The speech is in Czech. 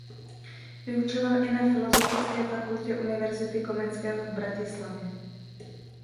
Vyučoval i na Filozofické fakultě Univerzity Komenského v Bratislavě.